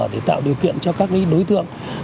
để tạo điều kiện cho các đối tượng